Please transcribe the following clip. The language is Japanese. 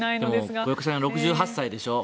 小池さん６８歳でしょ。